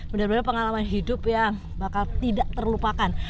benar benar pengalaman hidup yang bakal tidak terlupakan